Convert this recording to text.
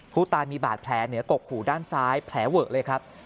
ผู้ตายมีบาดแผลเหนือกกหูด้านซ้ายแผลเวอะเลยครับ